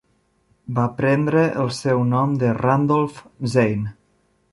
Va prendre el seu nom de Randolph Zane.